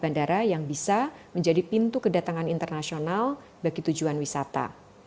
bandara yang bisa menjadi pintu kedatangan internasional bagi tujuan wisata